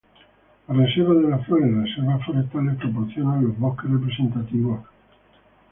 Las Reservas de la flora y reservas forestales proporcionan los bosques representativos representan.